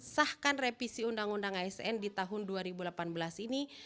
sahkan revisi undang undang asn di tahun dua ribu delapan belas ini